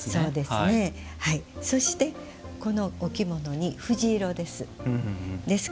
そして、このお着物に藤色です。